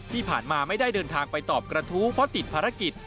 ที่ผ่านมาไม่ได้เดินทางไปตอบกระทู้เพราะติดภารกิจ